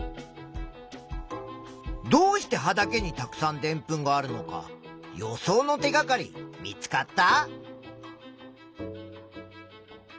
どうして葉だけにたくさんでんぷんがあるのか予想の手がかり見つかった？